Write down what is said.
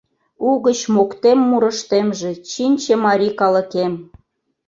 Угыч моктем мурыштемже Чинче марий калыкем.